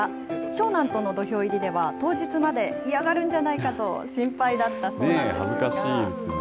長男との土俵入りでは、当日まで、嫌がるんじゃないかと心配だったそうなんですが。